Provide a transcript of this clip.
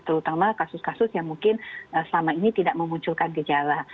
terutama kasus kasus yang mungkin selama ini tidak memunculkan gejala